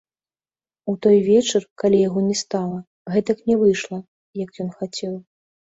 У той вечар, калі яго не стала, гэтак не выйшла, як ён хацеў.